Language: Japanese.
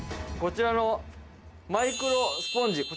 こちらのマイクロスポンジ